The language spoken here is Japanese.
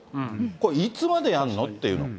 これ、いつまでやんのっていうの。